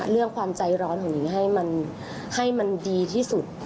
เรื่องความใจร้อนของนิงให้มันให้มันดีที่สุด